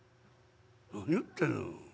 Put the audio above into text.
「何言ってんの？